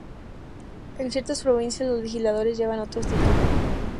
En ciertas provincias, los legisladores llevan otros títulos.